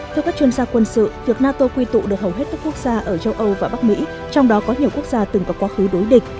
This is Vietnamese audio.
theo các chuyên gia quân sự việc nato quy tụ được hầu hết các quốc gia ở châu âu và bắc mỹ trong đó có nhiều quốc gia từng có quá khứ đối địch